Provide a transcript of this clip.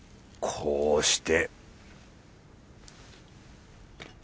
こうして。